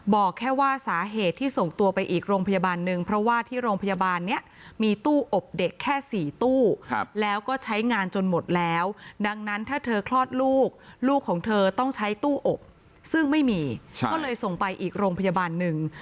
บอกแค่ว่าสาเหตุที่ส่งตัวไปอีกโรงพยาบาลหนึ่งเพราะว่าที่โรงพยาบาลนี้มีตู้อบเด็กแค่๔ตู้แล้วก็ใช้งานจนหมดแล้วดังนั้นถ้าเธอคลอดลูกลูกของเธอต้องใช้ตู้อบซึ่งไม่มีก็เลยส่งไปอีกโรงพยาบาลหนึ่ง